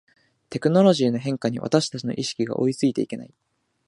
テクノロジーの変化に私たちの意識が追いついていけない